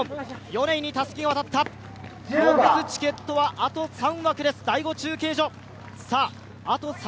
米井にたすきが渡った残すチケットはあと３枠です、第５中継所。